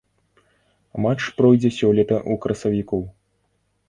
Матч пройдзе сёлета ў красавіку.